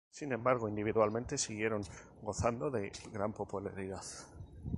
Sin embargo, individualmente siguieron gozando de gran popularidad.